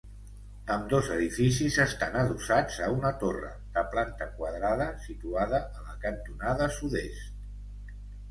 Ambdós edificis estan adossats a una torre de planta quadrada situada a la cantonada sud-est.